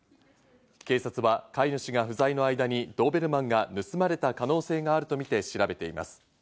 警察は飼い主が不在の間にドーベルマンが盗まれた可能性があるとみて調べています。